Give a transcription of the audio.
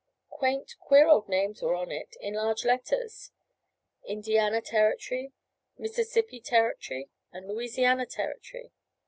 Quaint, queer old names were on it, in large letters: "Indiana Territory," "Mississippi Territory," and "Louisiana Territory."